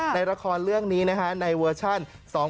ในละครเรื่องนี้ในเวอร์ชั่น๒๕๔๙